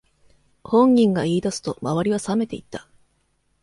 本人が言い出すと周りはさめていった